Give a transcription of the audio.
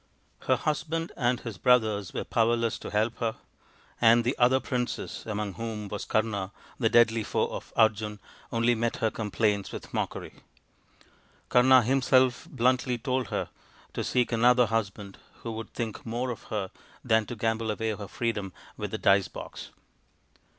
Her husband and his brothers were powerless to help her, and the other princes, among whom was Kama, the deadly foe of Arjun, only met her com plaints with mockery. Kama himself bluntly told her THE FIVE TALL SONS OF PANDU 89 to seek another husband who would think more of her than to gamble away her freedom with the dice box.